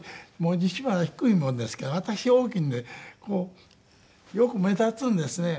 西村は低いもんですから私大きいんでよく目立つんですね。